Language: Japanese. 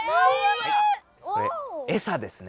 これエサですね。